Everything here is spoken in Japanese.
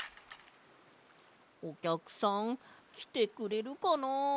おきゃくさんきてくれるかな？